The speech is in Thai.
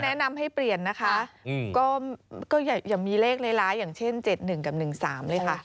แนะนำให้เปลี่ยนนะคะก็อย่ามีเลขร้ายอย่างเช่น๗๑กับ๑๓เลยค่ะ